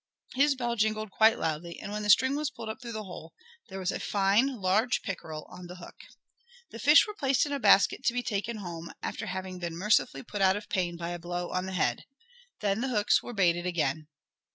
His bell jingled quite loudly, and when the string was pulled up through the hole there was a fine, large pickerel on the hook. The fish were placed in a basket to be taken home, after having been mercifully put out of pain by a blow on the head. Then the hooks were baited again.